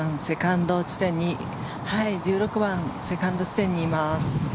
１６番セカンド地点にいます。